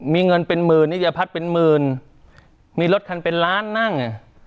มีเงินเป็นหมื่นนิยพัฒน์เป็นหมื่นมีรถคันเป็นล้านนั่ง